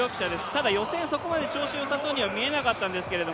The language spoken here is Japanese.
ただ予選、そこまで調子よさそうには見えなかったんですけど